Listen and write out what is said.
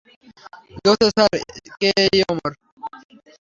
Jose sir, কে এই অমর?